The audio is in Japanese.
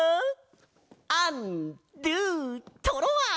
アンドゥトロワ！ホホホ！